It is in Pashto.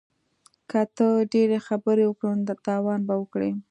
که ته ډیرې خبرې وکړې نو تاوان به وکړې